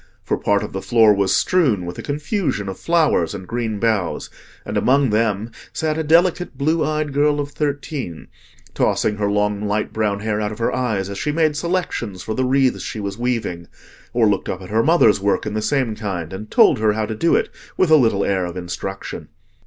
For part of the floor was strewn with a confusion of flowers and green boughs, and among them sat a delicate blue eyed girl of thirteen, tossing her long light brown hair out of her eyes, as she made selections for the wreaths she was weaving, or looked up at her mother's work in the same kind, and told her how to do it with a little air of instruction.